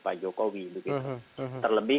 pak jokowi terlebih